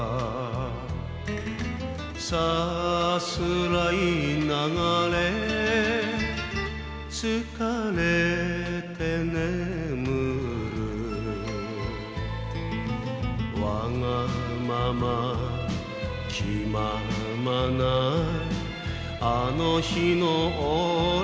「さすらい流れ疲れて眠る」「わがまま気ままなあの日の俺を」